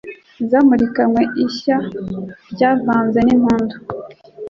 Zamurikanywe n' ishyaRyavanze n' impundu